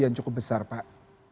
yang cukup besar pak